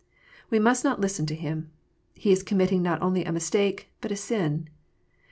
We must not listen to him. He is committing not only a mistake, but a sin. St.